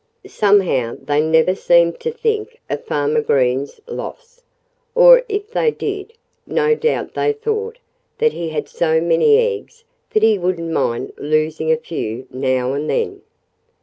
Somehow they never seemed to think of Farmer Green's loss. Or if they did, no doubt they thought that he had so many eggs that he wouldn't mind losing a few now and then.